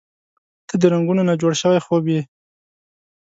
• ته د رنګونو نه جوړ شوی خوب یې.